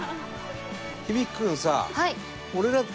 響大君さ。